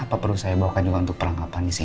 apa perlu saya bawakan juga untuk perlengkapan disini